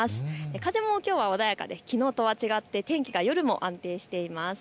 風もきょうは穏やかで、きのうとは違って天気が夜も安定しています。